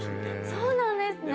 そうなんですね